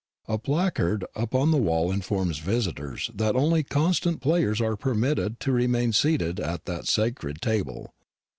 A placard upon the wall informs visitors that only constant players are permitted to remain seated at that sacred table.